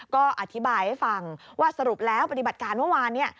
ก็อธิบายให้ฟังว่าสรุปแล้วปฏิบัติการเมื่อวาน